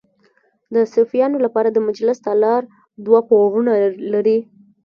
د صوفیانو لپاره د مجلس تالار دوه پوړونه لري.